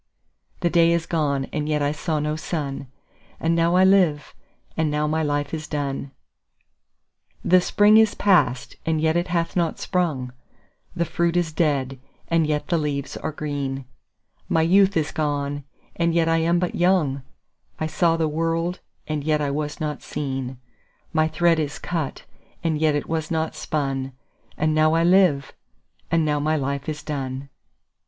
5The day is gone and yet I saw no sun,6And now I live, and now my life is done.7The spring is past, and yet it hath not sprung,8The fruit is dead, and yet the leaves are green,9My youth is gone, and yet I am but young,10I saw the world, and yet I was not seen,11My thread is cut, and yet it was not spun,12And now I live, and now my life is done.